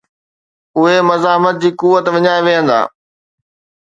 اهي مزاحمت جي قوت وڃائي ويهندا.